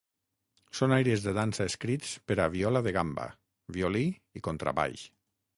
Són aires de dansa escrits per a viola de gamba, violí i contrabaix.